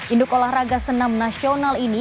induk olahraga senam nasional ini